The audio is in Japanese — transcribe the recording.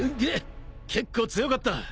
げっ結構強かった。